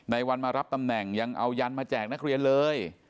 วันมารับตำแหน่งยังเอายันมาแจกนักเรียนเลย